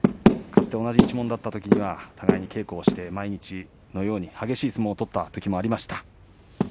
かつて同じ一門だったときには互いに稽古もして毎日のように激しい相撲を取った時期もありました。